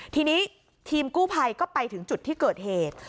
ทีนี้ทีมกู้ภัยก็ไปถึงจุดที่เกิดเหตุ